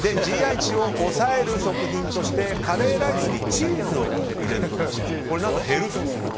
ＧＩ値を抑える食品としてカレーライスにチーズを入れると減ると。